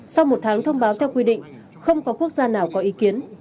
sau một tháng thông báo theo quy định không có quốc gia nào có ý kiến